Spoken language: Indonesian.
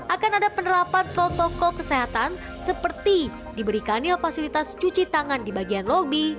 akan ada penerapan protokol kesehatan seperti diberikannya fasilitas cuci tangan di bagian lobi